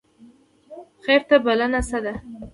خیر ته بلنه څه ده؟